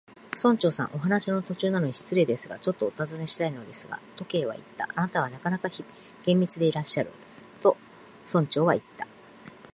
「村長さん、お話の途中なのに失礼ですが、ちょっとおたずねしたいのですが」と、Ｋ はいった。「あなたはなかなか厳密でいらっしゃる」と、村長はいった。